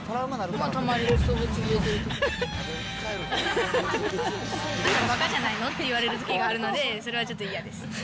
あんたばかじゃないのとかって言われるときがあるので、それはちょっと嫌です。